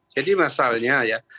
jadi masalahnya ya